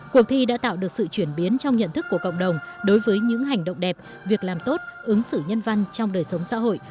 cuộc thi đã tạo được sự chuyển biến trong nhận thức của cộng đồng đối với những hành động đẹp việc làm tốt ứng xử nhân văn trong đời sống xã hội